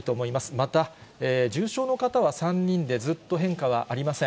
また重症の方は３人でずっと変化はありません。